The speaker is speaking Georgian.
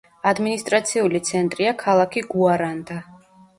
ადმინისტრაციული ცენტრია ქალაქი გუარანდა.